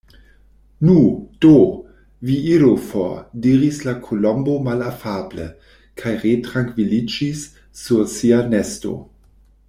"Nu, do, vi iru for!" diris la Kolombo malafable, kaj retrankviliĝis sur sia nesto.